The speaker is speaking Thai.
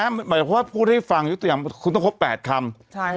หมายถึงว่าพูดให้ฟังอยู่ตัวอย่างคุณต้องพบ๘คำ